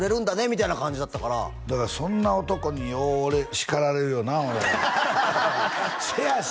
みたいな感じだったからだからそんな男によう俺叱られるよなお前シャ